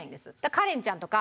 カレンちゃんとか。